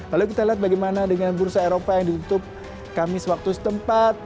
lalu kita lihat bagaimana dengan bursa eropa yang ditutup kamis waktu setempat